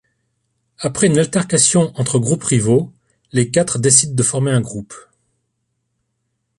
Après une altercation entre groupes rivaux, les quatre décident de former un groupe.